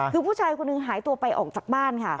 คือผู้ชายคนหนึ่งหายตัวไปออกจากบ้านค่ะ